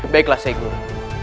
baiklah syekh guru